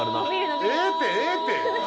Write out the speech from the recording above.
ええってええって！